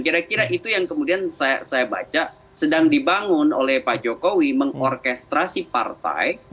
kira kira itu yang kemudian saya baca sedang dibangun oleh pak jokowi mengorkestrasi partai